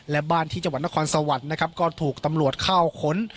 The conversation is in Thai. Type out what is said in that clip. และบ้านที่จังหวัดนครสวรรค์นะครับก็ถูกตำรวจเข้าค้น